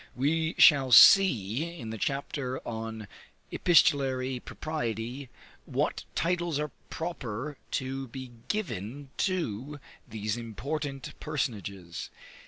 We shall see, in the chapter on Epistolary Propriety, what titles are proper to be given to these important personages.